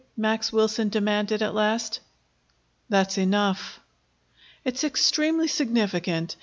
Max Wilson demanded at last. "That's enough." "It's extremely significant.